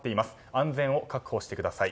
安全を確保してください。